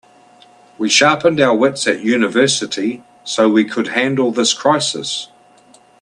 We sharpened our wits at university so we could handle this crisis.